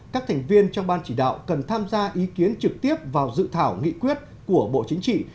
các thành viên trong ban chỉ đạo cần tham gia ý kiến trực tiếp vào dự thảo nghị quyết của bộ chính trị